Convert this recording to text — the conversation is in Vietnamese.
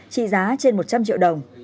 trị giá trên một trăm linh triệu đồng